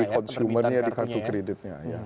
konsumennya di kartu kreditnya